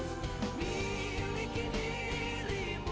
cintaku tak harus memiliki dirimu